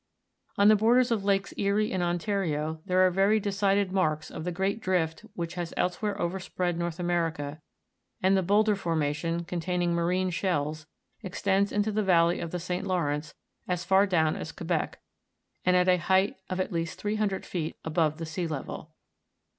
On the borders of Lakes Erie and Ontario there are very de cided marks of the great drift which has elsewhere overspread North America, and the boulder formation, containing marine shells, extends into the valley of the St. Lawrence, as far down as Quebec, and at a height of at least three hundred feet above the sea level.